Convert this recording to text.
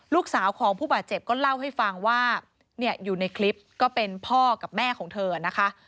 ลูกสาวของผู้บาดเจ็บก็เล่าให้ฟังว่าเนี่ยอยู่ในคลิปก็เป็นพ่อกับแม่ของเธอนะคะ